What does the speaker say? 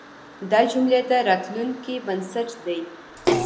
دا جملې د راتلونکي بنسټ دی.